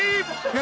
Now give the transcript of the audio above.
何！